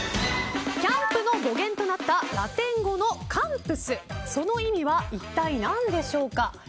キャンプの語源となったラテン語のキャンプスその意味は一体何でしょうか。